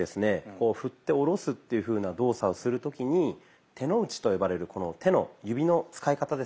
こう振って下ろすっていうふうな動作をする時に「手の内」と呼ばれるこの手の指の使い方ですね。